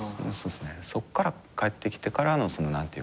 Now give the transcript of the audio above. そっから帰ってきてからの何ていうか